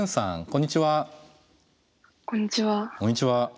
こんにちは。